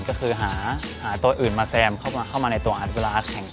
ก็คือหาตัวอื่นมาแซมเข้ามาในตัวอัดเวลาอัดแข่ง